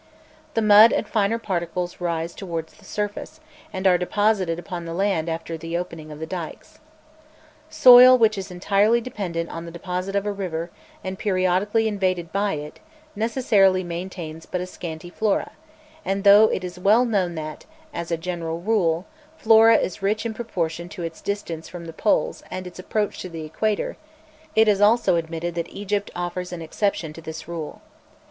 The mud and finer particles rise towards the surface, and are deposited upon the land after the opening of the dykes. Soil which is entirely dependent on the deposit of a river, and periodically invaded by it, necessarily maintains but a scanty flora; and though it is well known that, as a general rule, a flora is rich in proportion to its distance from the poles and its approach to the equator, it is also admitted that Egypt offers an exception to this rule.